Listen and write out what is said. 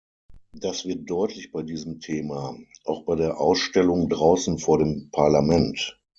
Das wird deutlich bei diesem Thema, auch bei der Ausstellung draußen vor dem Parlament.